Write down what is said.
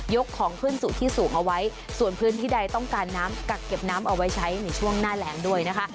ของขึ้นสู่ที่สูงเอาไว้ส่วนพื้นที่ใดต้องการน้ำกักเก็บน้ำเอาไว้ใช้ในช่วงหน้าแรงด้วยนะคะ